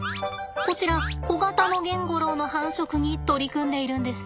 こちらコガタノゲンゴロウの繁殖に取り組んでいるんです。